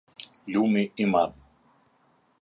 Lumi i Madh